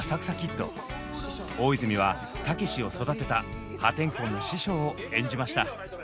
大泉はたけしを育てた破天荒な師匠を演じました。